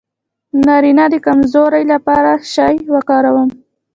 د نارینه د کمزوری لپاره څه شی وکاروم؟